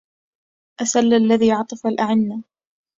أسل الذي عطف الأعنة